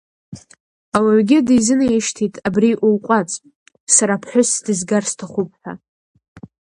Ауаҩгьы дизынаишьҭит абри улҟәаҵ, сара ԥҳәысс дызгар сҭахуп ҳәа.